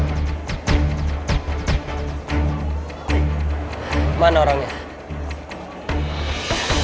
apa sama temennya mais